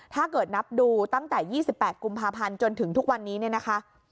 ถ้าเกิดนับดูตั้งแต่๒๘กุมภาพันธ์จนถึงทุกวันนี้เนี่ยนะคะ